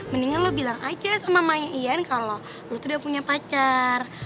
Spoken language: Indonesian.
mendingan lo bilang aja sama maya ian kalau lo sudah punya pacar